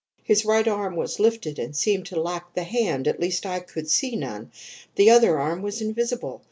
His right arm was lifted and seemed to lack the hand at least, I could see none. The other arm was invisible.